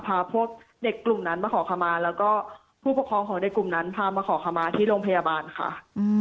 พาพวกเด็กกลุ่มนั้นมาขอขมาแล้วก็ผู้ปกครองของเด็กกลุ่มนั้นพามาขอขมาที่โรงพยาบาลค่ะ